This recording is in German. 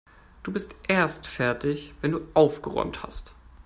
Du bist erst fertig, wenn du aufgeräumt hast.